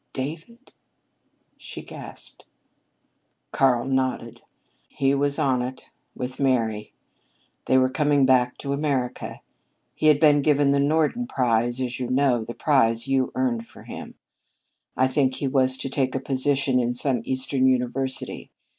"David?" she gasped. Karl nodded. "He was on it with Mary. They were coming back to America. He had been given the Norden prize, as you know, the prize you earned for him. I think he was to take a position in some Eastern university.